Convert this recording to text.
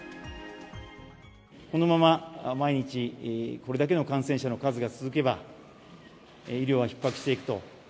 このまま毎日、これだけの感染者の数が続けば、医療はひっ迫していくと。